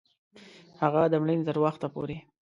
هغه د مړینې تر وخت پوري